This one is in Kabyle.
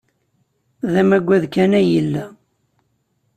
D amaggad kan ay yella.